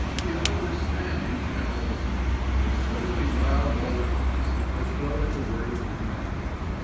d'ye understand, you devils?' they suddenly bowed all at once, as though at the word of command.